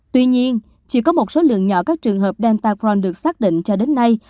tuy nhiên chỉ có một số lượng nhỏ các trường hợp delta von được xác định cho đến nay